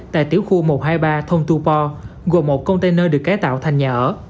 tại tiểu khu một trăm hai mươi ba thôn tu po gồm một container được cải tạo thành nhà ở